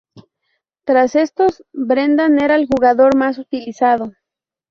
Tras estos, Brendan era el jugador más utilizado.